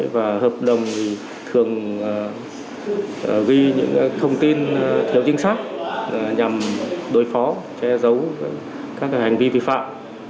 và hợp đồng thường ghi những thông tin thiếu chính xác nhằm đối phó che giấu các hành vi vi phạm